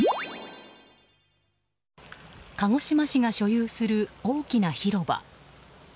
鹿児島市が所有する大きな広場。